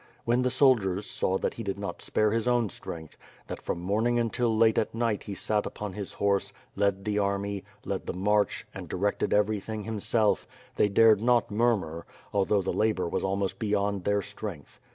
When the soldiers saw that he did not spare his own strength, that from morning until late at night he sat upon his horse, led the army, led the march, and directed everything himself, they dared not murmur; although the labor was almost be yond their strength.